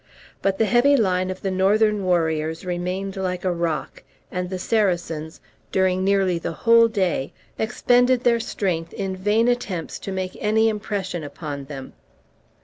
But the heavy line of the Northern warriors remained like a rock, and the Saracens, during nearly the whole day, expended their strength in vain attempts to make any impression upon them.